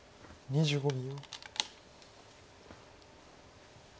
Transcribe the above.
２５秒。